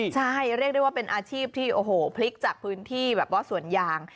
ใช่เรียกได้ว่าเป็นอาชีพที่โอ้โหพลิกจากพื้นที่แบบว่าสวนยาง